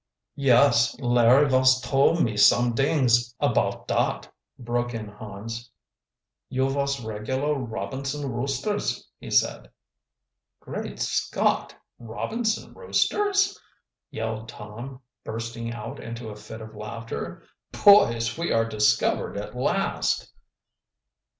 "Yes, Larry vos told me somedings apoud dot," broke in Hans. "You vos regular Robinson Roosters," he said. "Great Scott! Robinson Roosters!" yelled Tom, bursting out into a fit of laughter. "Boys, we are discovered at last."